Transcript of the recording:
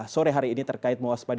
sore hari ini terkait mewaspadi